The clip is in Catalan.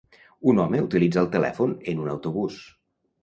Un home utilitza el telèfon en un autobús.